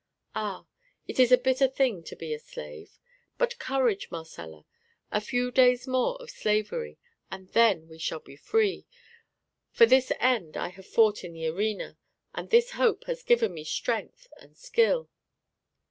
Ah! it is a bitter thing to be a slave! But courage, Marcella; a few days more of slavery, and then we shall be free. For this end I have fought in the arena; and this hope has given me strength and skill."